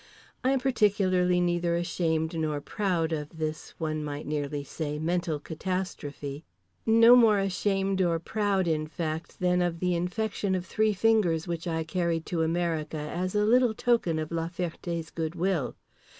I am particularly neither ashamed nor proud of this (one might nearly say) mental catastrophe. No more ashamed or proud, in fact, than of the infection of three fingers which I carried to America as a little token of La Ferté's good will.